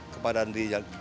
kepadaan di jalan tol